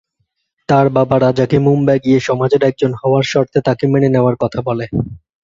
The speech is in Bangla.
তার বাবা রাজাকে মুম্বাই গিয়ে সমাজের একজন হওয়ার শর্তে তাকে মেনে নেওয়ার কথা বলে।